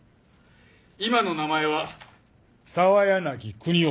今の名前は澤柳邦夫。